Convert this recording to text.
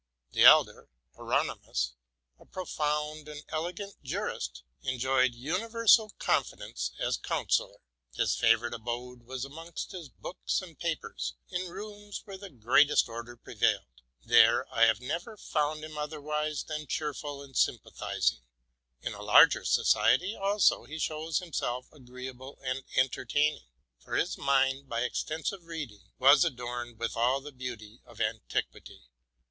The elder, Hieronymus, a profound and elegant jurist, enjoyed universal confidence as counsellor. His favorite abode was amongst his books and papers, in rooms where the greatest order prevailed : there I have never found him otherwise than cheerful and sympathizing. In a more numerous society, too, he showed himself agreeable and entertaining ; for his mind, by extensive reading, was adorned with all the beauty of antiquity.